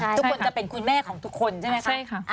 ใช่ค่ะทุกคนจะเป็นคุณแม่ของทุกคนใช่ไหมคะใช่ค่ะ